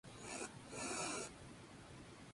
De California.